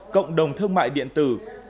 cộng đồng thương mại điện tử